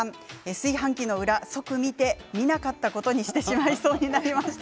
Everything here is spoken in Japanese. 炊飯器の裏、即見て見なかったことにしてしまいそうになりました。